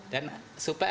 dan suplai air